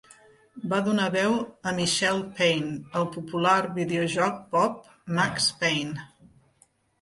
Va donar veu a Michelle Payne al popular videojoc pop "Max Payne".